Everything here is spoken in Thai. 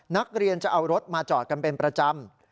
นักเรียนจะเอารถมาจอดกันเป็นประจำ